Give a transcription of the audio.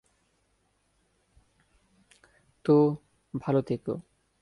তো, ভালো থেকো।